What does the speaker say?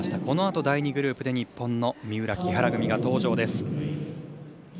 このあと第２グループで日本の三浦、木原組が登場です。